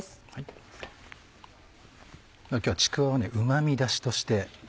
今日はちくわをうま味だしとして。